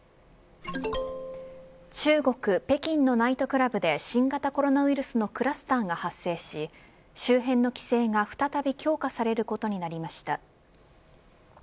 ＪＴ中国、北京のナイトクラブで新型コロナウイルスのクラスターが発生し周辺の規制が、再び強化されることになりました。